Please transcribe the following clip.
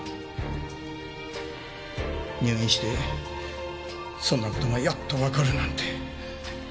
入院してそんな事がやっとわかるなんて。